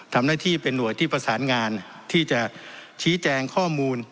ทำหน้าที่เป็นห่วยที่ประสานงานที่จะชี้แจงข้อมูล